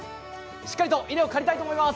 しっかりと稲を刈りたいと思います。